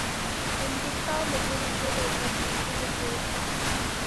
هندوستان د ګڼو ژبو او فرهنګونو کور دی